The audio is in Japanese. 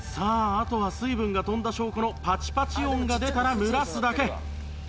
あとは水分が飛んだ証拠のパチパチ音が出たら蒸らすだけ